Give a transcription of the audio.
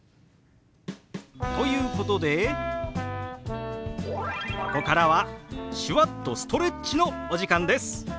ということでここからは手話っとストレッチのお時間です。